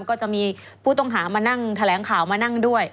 ก็จะมีผู้ต้องหามานั่งแถลงข่าวมานั่งด้วย